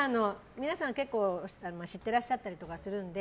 皆さん結構知ってらっしゃったりするので。